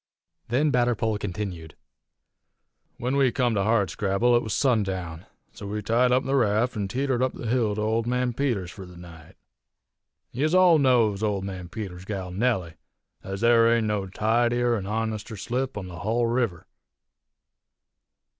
Then Batterpole continued: "When we come to Hardscrabble it was sundown, so we tied up the raft an' teetered up the hill to Old Man Peters's fur the night. Yez all knows Old Man Peters's gal Nellie, ez there ain't no tidier an honester slip on the hull river.